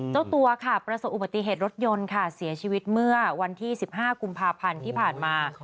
เจ้าตัวค่ะประสบอุบัติเหตุรถยนต์ค่ะเสียชีวิตเมื่อวันที่๑๕กุมภาพันธ์ที่ผ่านมา